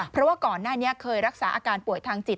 เพราะว่าก่อนหน้านี้เคยรักษาอาการป่วยทางจิต